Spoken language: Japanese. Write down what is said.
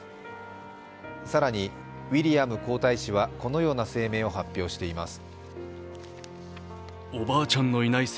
更に、ウィリアム皇太子はこのような声明を発表しています。